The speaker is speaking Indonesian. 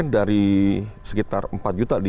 dari sekitar empat juta di